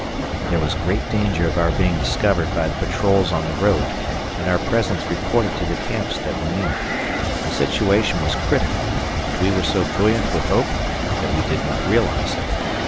There was great danger of our being discovered by the patrols on the road and our presence reported to the camps that were near. The situation was critical, but we were so buoyant with hope that we did not realize it.